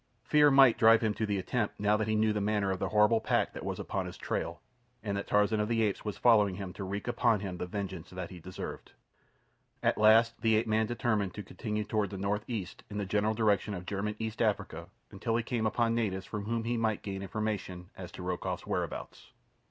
Fear might drive him to the attempt now that he knew the manner of horrible pack that was upon his trail, and that Tarzan of the Apes was following him to wreak upon him the vengeance that he deserved. At last the ape man determined to continue toward the northeast in the general direction of German East Africa until he came upon natives from whom he might gain information as to Rokoff's whereabouts.